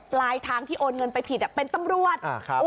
ปลายทางที่โอนเงินไปผิดเป็นตำรวจ